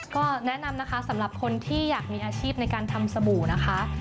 ก็แนะนำนะคะสำหรับคนที่อยากมีอาชีพในการทำสบู่นะคะ